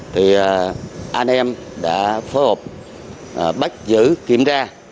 thì anh em đã phối hợp bắt giữ kiểm tra